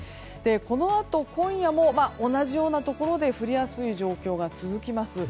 このあと今夜も同じようなところで降りやすい状況が続きます。